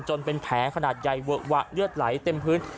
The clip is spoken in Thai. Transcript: เป็นแผลขนาดใหญ่เวอะวะเลือดไหลเต็มพื้น